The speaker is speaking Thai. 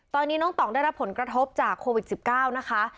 ตอนนี้น้องต่องได้รับผลกระทบจากโควิด๑๙นะคะ